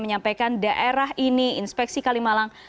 menyampaikan daerah ini inspeksi kalimalang